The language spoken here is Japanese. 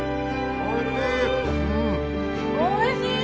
おいしい！